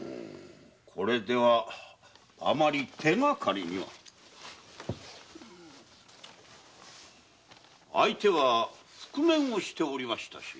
これではあまり手がかりには。相手は覆面をしておりましたし。